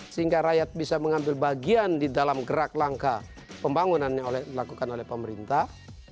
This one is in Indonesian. sehingga rakyat bisa mengambil bagian di dalam gerak langkah pembangunan yang dilakukan oleh pemerintah